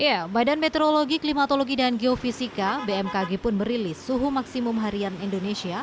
ya badan meteorologi klimatologi dan geofisika bmkg pun merilis suhu maksimum harian indonesia